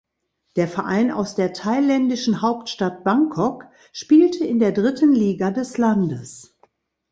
Der Verein aus der thailändischen Hauptstadt Bangkok spielte in der dritten Liga des Landes.